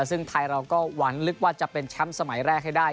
ซึ่งไทยเราก็หวังลึกว่าจะเป็นแชมป์สมัยแรกให้ได้